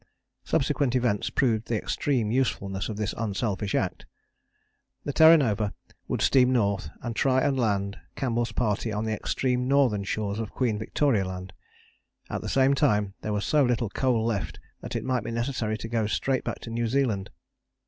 Subsequent events proved the extreme usefulness of this unselfish act. The Terra Nova would steam north and try and land Campbell's party on the extreme northern shores of Queen Victoria Land. At the same time there was so little coal left that it might be necessary to go straight back to New Zealand.